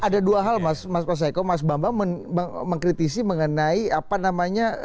ada dua hal mas mbak sajiko mas mbak mbak mengkritisi mengenai apa namanya